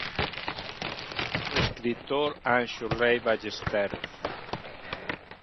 O escritor Anxo Rei Ballesteros.